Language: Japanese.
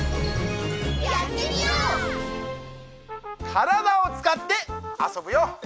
からだをつかってあそぶよ！